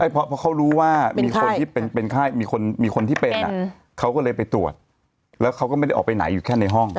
เพราะเขารู้ว่ามีคนที่เป็นคนที่เป็นเขาก็เลยไปตรวจแล้วเขาก็ไม่ได้ออกไปไหนอยู่แค่ในห้อง